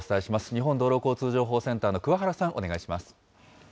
日本道路交通情報センターのくわ原さん、お願いします。